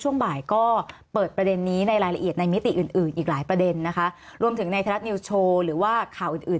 ช่วงบ่ายก็เปิดประเด็นนี้นายละเอียดในหมิติอื่นอีกประเด็นนะคะรวมถึงในเทศนียลโชว์หรือว่าข่าวอื่น